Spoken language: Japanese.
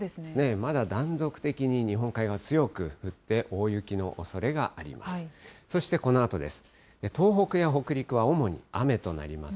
まだ断続的に日本海側、強く降って、大雪のおそれがあります。